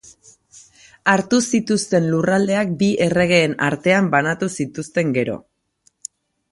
Hartu zituzten lurraldeak bi erregeen artean banatu zituzten gero.